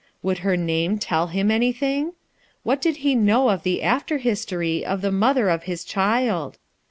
Would her name tell him anything? What did he know of the after history of the mother of his child?